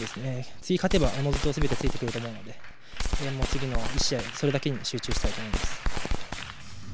次、勝てば、おのずとすべてついてくると思うので次の試合それだけに集中したいと思います。